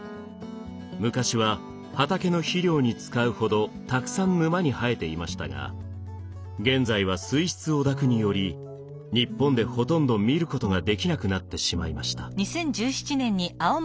昔は畑の肥料に使うほどたくさん沼に生えていましたが現在は水質汚濁により日本でほとんど見ることができなくなってしまいました。